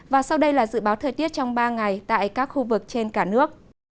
và sau đây là dự báo thời tiết trong ba ngày tại các khu vực trên cả nước